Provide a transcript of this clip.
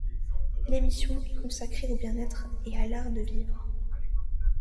L'émission est consacrée au bien-être et à l'art de vivre.